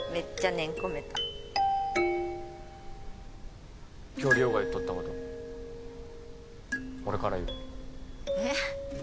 念込めた今日梨央が言っとったこと俺から言うえっ？